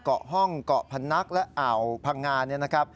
เกาะฮ่องเกาะพนักและอ่าวพังงา